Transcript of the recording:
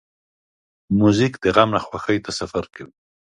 موزیک د غم نه خوښۍ ته سفر کوي.